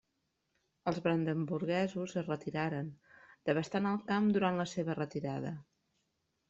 Els brandenburguesos es retiraren, devastant el camp durant la seva retirada.